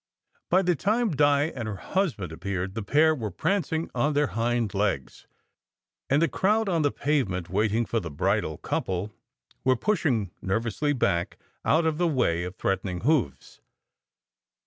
By the time Di and her husband appeared, the pair were prancing on their hind legs, and the crowd on the pavement waiting for the bridal couple 198 SECRET HISTORY were pushing nervously back, out of the way of threaten ing hoofs.